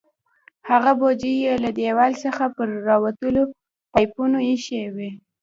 هغه بوجۍ یې له دیوال څخه پر راوتلو پایپونو ایښې وې.